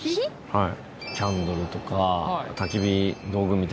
はい。